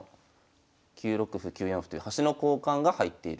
９六歩９四歩という端の交換が入っている。